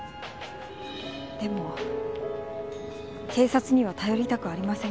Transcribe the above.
でも警察には頼りたくありませんでした。